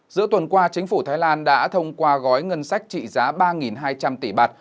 giữa tuần qua chính phủ thái lan đã thông qua gói ngân sách trị giá ba hai trăm linh tỷ bạt